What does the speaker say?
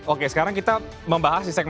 oke sekarang kita membahas di segmen